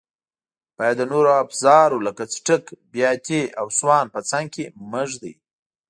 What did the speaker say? باید د نورو افزارو لکه څټک، بیاتي او سوان په څنګ کې مه ږدئ.